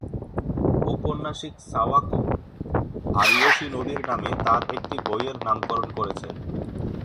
উপন্যাসিক সাওয়াকো আরিয়োশি নদীর নামে তার একটি বইয়ের নামকরণ করেছেন।